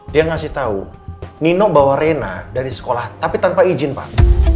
dia ngasih tahu nino bawa rena dari sekolah tapi tanpa izin pak